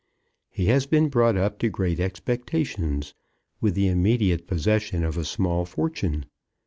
He has been brought up to great expectations, with the immediate possession of a small fortune.